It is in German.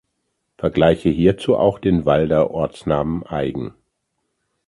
Vergleiche hierzu auch den Walder Ortsnamen Eigen.